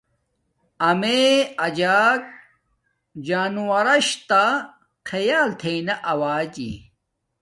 امیے اجک جانورواش تہ خیال تھݵ نا اوجی